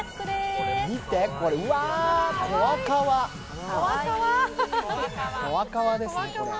これ見て、うわー、怖かわですね、これ。